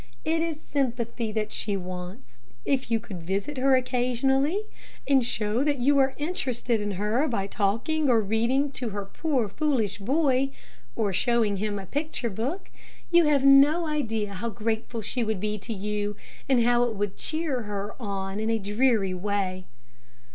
It is sympathy that she wants. If you could visit her occasionally, and show that you are interested in her, by talking or reading to her poor foolish boy or showing him a picture book, you have no idea how grateful she would be to you, and how it would cheer her on her dreary way."